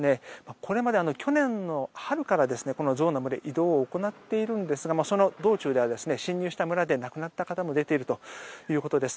これまで去年の春からこの象の群れ移動を行っているんですがその道中では進入した村で亡くなった方も出ているということです。